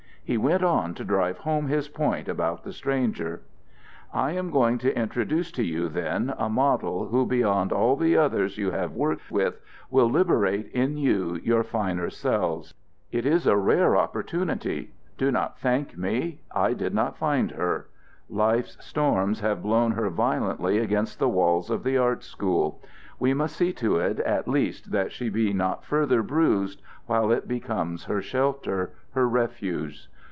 He went on to drive home his point about the stranger: "I am going to introduce to you, then, a model who beyond all the others you have worked with will liberate in you your finer selves. It is a rare opportunity. Do not thank me. I did not find her. Life's storms have blown her violently against the walls of the art school; we must see to it at least that she be not further bruised while it becomes her shelter, her refuge.